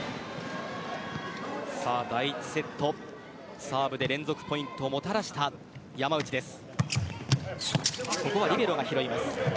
第１セットサーブで連続ポイントをもたらした山内です。